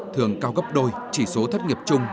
thường cao gấp đôi chỉ số thất nghiệp chung